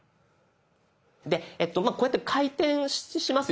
でこうやって回転しますよね。